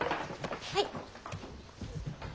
はい。